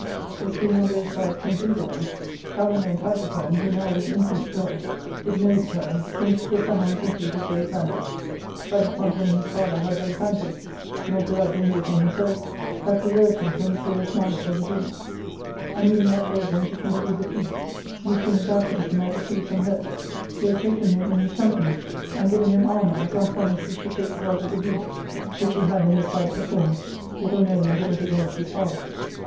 This being on both sides concluded on, Kalander and Clitophon, who now, with infinite iov^ did know each other, came to kiss the hands ^.^ and feet of Daiphantus ; Clitophon telling IJisTatlier how Daiphantus (not without danger to himself) had preserved c him from the furious malice of the Helots ; and even that day, going to conclude the peace, least in his absence he might receive some hurt, he had taken him in his company and given him armour, upon promise he should take the part of the Helots, which he had in this fight performed, little knowing that it was against his father.